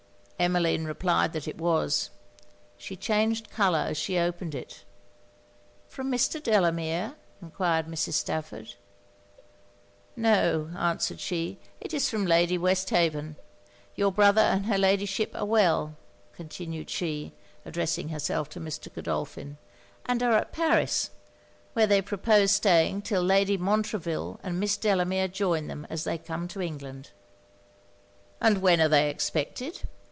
Emmeline replied that it was. She changed colour as she opened it. 'From Mr. Delamere?' enquired Mrs. Stafford. 'No,' answered she, 'it is from Lady Westhaven. Your brother and her Ladyship are well,' continued she, addressing herself to Mr. Godolphin, 'and are at Paris; where they propose staying 'till Lady Montreville and Miss Delamere join them as they come to England.' 'And when are they expected?'